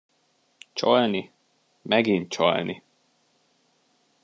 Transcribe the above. Csalni; megint csalni!